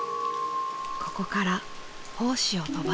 ここから胞子を飛ばす。